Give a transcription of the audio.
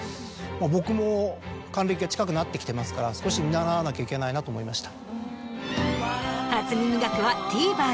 僕も還暦が近くなってきてますから少し見習わなきゃいけないなと思いました。